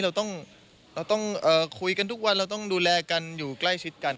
เราต้องคุยกันทุกวันเราต้องดูแลกันอยู่ใกล้ชิดกัน